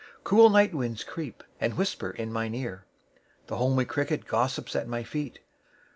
9Cool night winds creep, and whisper in mine ear.10The homely cricket gossips at my feet.